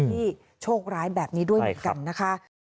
โชคร้ายแบบนี้ด้วยเหมือนกันนะคะ